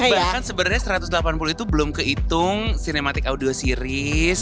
bahkan sebenarnya satu ratus delapan puluh itu belum kehitung cinematic audio series